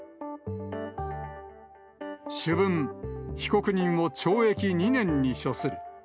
主文、被告人を懲役２年に処する。